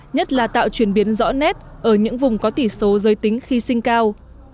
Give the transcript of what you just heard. nhất là tạo chuyển biến rõ nét ở những vùng có tỷ số giới tính khi sinh cao